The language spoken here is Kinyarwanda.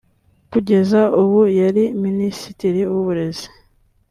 Kugeza ubu yari Minisitiri w’Uburezi